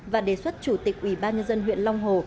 và đề xuất chủ tịch ủy ban nhân dân huyện long hồ